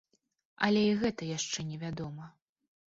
Але і гэта яшчэ невядома.